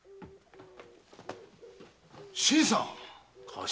新さん⁉頭？